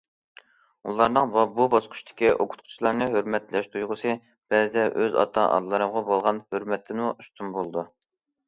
ئۇلارنىڭ بۇ باسقۇچتىكى ئوقۇتقۇچىلارنى ھۆرمەتلەش تۇيغۇسى بەزىدە ئۆز ئاتا- ئانىلىرىغا بولغان ھۆرمەتتىنمۇ ئۈستۈن بولىدۇ.